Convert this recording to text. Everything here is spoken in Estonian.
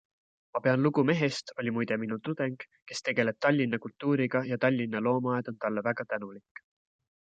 Ma pean lugu mehest - oli muide minu tudeng -, kes tegeleb Tallinna kultuuriga ja Tallinna loomaaed on talle väga tänulik.